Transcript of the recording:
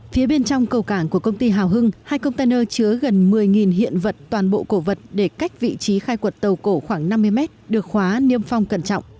phía bên trong cầu cảng của công ty hào hưng hai container chứa gần một mươi hiện vật toàn bộ cổ vật để cách vị trí khai quật tàu cổ khoảng năm mươi mét được khóa niêm phong cẩn trọng